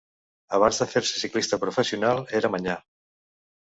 Abans de fer-se ciclista professional era manyà.